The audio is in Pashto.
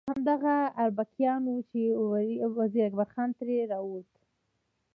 همدغه اربکیان وو چې وزیر اکبر خان ترې راووت.